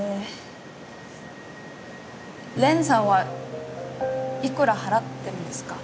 蓮さんはいくら払ってるんですか？